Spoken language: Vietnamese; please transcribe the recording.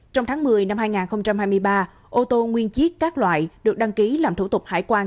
trong tháng một mươi năm hai nghìn hai mươi ba ô tô nguyên chiếc các loại được đăng ký làm thủ tục hải quan